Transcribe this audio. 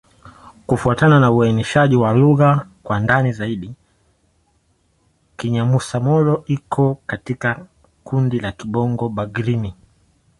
Kufuatana na uainishaji wa lugha kwa ndani zaidi, Kinyamusa-Molo iko katika kundi la Kibongo-Bagirmi.